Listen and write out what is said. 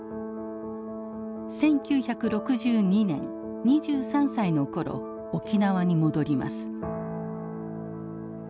１９６２年２３歳の頃沖縄に戻ります。